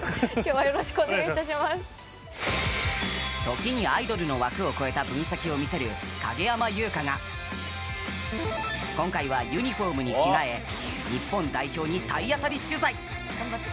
時にアイドルの枠を超えた分析を見せる影山優佳が今回はユニホームに着替え日本代表に体当たり取材！